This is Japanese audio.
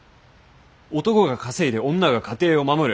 男が稼いで女が家庭を守る。